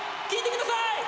聴いてください！